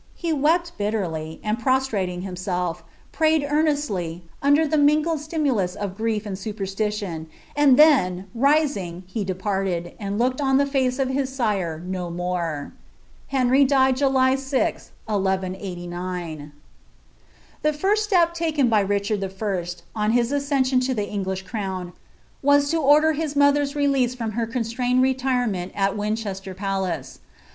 He wept bilieilyi ind> prostrating himself, pmyed earoesily, under the tningled stimulus of grief and superstition, and then, rising, he departed, and lookadoelb* face of his sire no more.* Henry died July flth, I IBS. The first step taken by Richard I., on his accession to the En^ifc crown, was to order his mother's release from her consinitaed irtiitwiB at Winchester Palace.